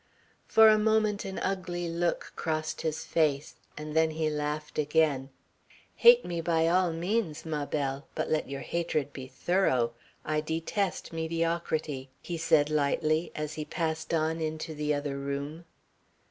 For a moment an ugly look crossed his face, and then he laughed again. "Hate me by all means, ma belle, but let your hatred be thorough. I detest mediocrity," he said lightly, as he passed on into the other room.